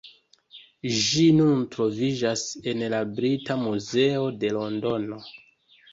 Ĝi nun troviĝas en la Brita Muzeo de Londono.